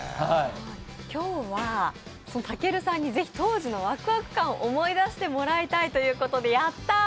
今日は、たけるさんにぜひ当時のワクワク感を思い出してもらいたいというきことで、ヤッター！